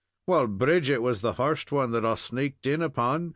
Wal, Bridget was the first one that I sneaked in upon.